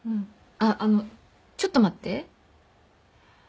あっあのちょっと待って。